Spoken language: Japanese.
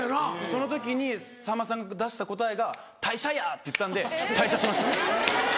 その時にさんまさんが出した答えが「退社や！」と言ったんで退社しました。